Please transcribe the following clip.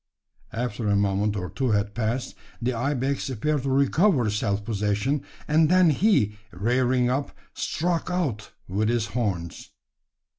After a moment or two had passed, the ibex appeared to recover self possession; and then he, rearing up, struck out with his horns.